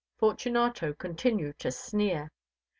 Fortunato continued to sneer.